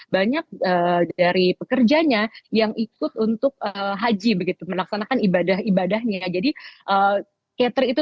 banyak dari pekerjanya yang ikut untuk haji begitu melaksanakan ibadah ibadahnya jadi cater itu